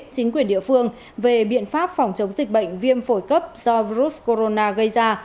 chính quyền địa phương về biện pháp phòng chống dịch bệnh viêm phổi cấp do virus corona gây ra